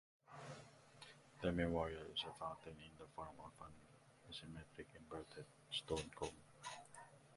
The memorial is a fountain in the form of an asymmetric inverted stone cone.